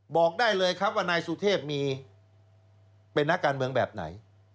บอกได้เลยครับว่านายสุเทพมีเป็นนักการเมืองแบบไหน